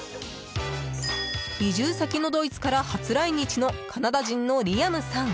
移住先のドイツから初来日のカナダ人のリアムさん。